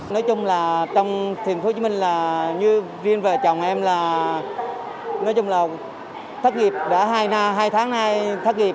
nói chung là trong thành phố hồ chí minh là như riêng và chồng em là nói chung là thất nghiệp đã hai tháng nay thất nghiệp